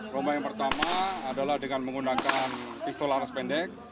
lomba yang pertama adalah dengan menggunakan pistol laras pendek